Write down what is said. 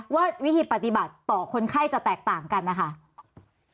ว่าวิธีปฏิบัติต่อคนไข้จะแตกต่างกันนะคะ